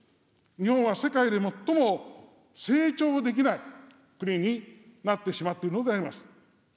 日本は世界で最も成長できない国になってしまっているのであります。